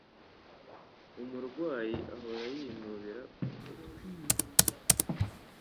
Umurwayi ahora yinubira umutwe.